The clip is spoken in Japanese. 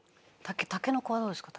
タケノコはどうですか？